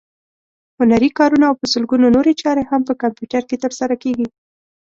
هنري کارونه او په سلګونو نورې چارې هم په کمپیوټر کې ترسره کېږي.